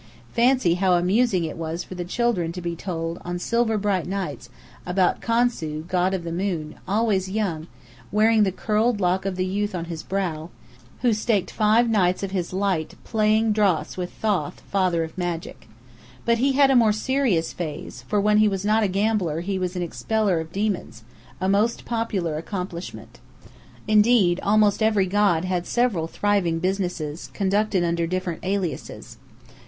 Fancy how amusing it was for the children to be told, on silver bright nights, about Khonsu, god of the moon, always young, wearing the curled lock of youth on his brow who staked five nights of his light playing draughts with Thoth, father of Magic. But he had a more serious phase, for when he was not a gambler he was an Expeller of Demons, a most popular accomplishment. Indeed, almost every god had several thriving businesses, conducted under different aliases.